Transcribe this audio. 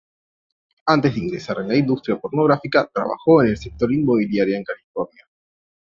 Antes de ingresar en la industria pornográfica, trabajó en el sector inmobiliario en California.